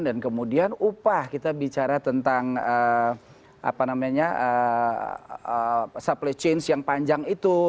dan kemudian upah kita bicara tentang supply chain yang panjang itu